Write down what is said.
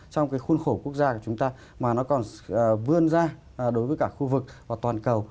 trong cái khuôn khổ quốc gia của chúng ta mà nó còn vươn ra đối với cả khu vực và toàn cầu